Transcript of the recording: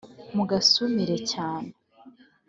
mugasumire cyane